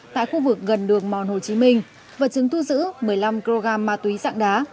tại khu vực gần đường mòn hồ chí minh vật chứng thu giữ một mươi năm kg ma túy dạng đá